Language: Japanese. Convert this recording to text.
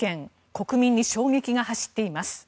国民に衝撃が走っています。